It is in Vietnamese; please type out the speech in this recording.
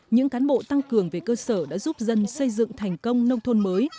những cán bộ tăng cường về cơ sở đã giúp dân xây dựng thành công nông thôn mới